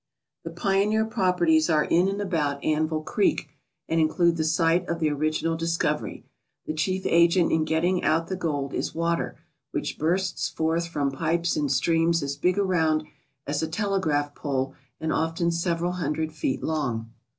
The Pioneer properties are in and about Anvil Creek and include the site of the original discovery. The chief agent in getting out the gold is water, which bursts forth from pipes in streams as big around as a telegraph pole and often several hundred feet long.